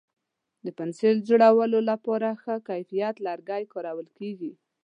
د پنسل جوړولو لپاره ښه کیفیت لرګی کارول کېږي.